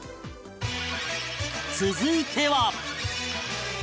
続いては